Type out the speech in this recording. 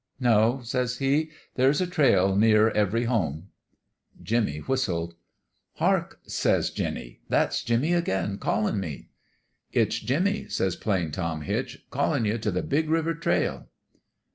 "* No,' says he ;* there's a trail near every home.' "Jimmie whistled. "* Hark !' says Jinny. ' That's Jimmie again callin me !'"' It's Jimmie,' says Plain Tom Hitch, * callin' you t' the Big River Trail.'